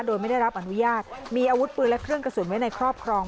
โดยไม่ได้รับอนุญาตมีอาวุธปืนและเครื่องกระสุนไว้ในครอบครอง